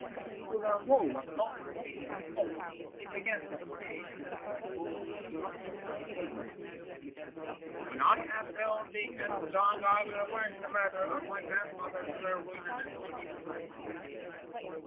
When Kullervo was only three months old he began to speak, and the first words which he uttered were these: 'When I have grown big and strong I will avenge the murder of my grandfather Kalerwoinen and his people.'